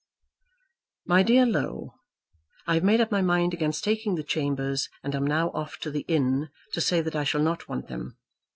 MY DEAR LOW, I have made up my mind against taking the chambers, and am now off to the Inn to say that I shall not want them.